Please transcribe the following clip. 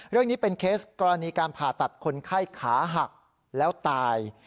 เรื่องนี้เป็นเคสกรณีการผ่าตัดคนไข้ขาหักแล้วตาย